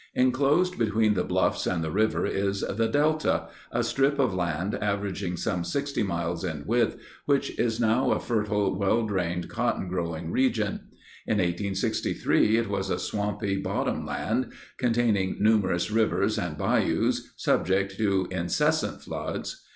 Enclosed between the bluffs and the river is the "Delta"—a strip of land averaging some 60 miles in width, which is now a fertile, well drained, cotton growing region. In 1863, it was a swampy bottom land containing numerous rivers and bayous, subject to incessant floods.